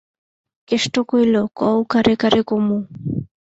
কেষ্ট কইল, কও কারে কারে কমু।